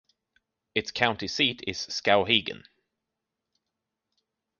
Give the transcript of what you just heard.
Its county seat is Skowhegan.